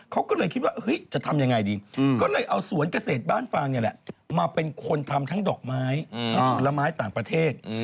เขาก็เลยคิดว่าจะทำยังไงดีก็เลยเอาสวนเกษตรบ้านฟางเนี่ยแหละมาเป็นคนทำทั้งดอกไม้ทั้งผลไม้ต่างประเทศ